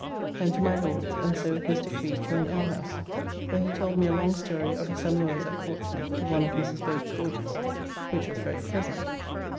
Then to my Lord's, and so with Mr. Creed to an alehouse, where he told me a long story of his amours at Portsmouth to one of Mrs. Boat's daughters, which was very pleasant.